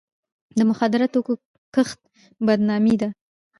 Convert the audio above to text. د مخدره توکو کښت بدنامي ده.